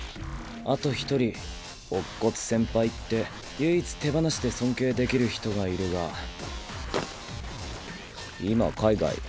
あと一人乙骨先輩って唯一手放しで尊敬できる人がいるが今海外。